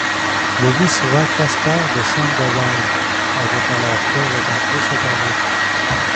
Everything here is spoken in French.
Le Vice-Roi Gaspar de Sandoval avait alors fait reconstruire son palais.